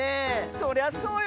そりゃそうよ。